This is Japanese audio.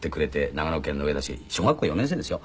長野県の上田市小学校４年生ですよ。